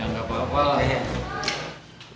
ya gak apa apa lah ya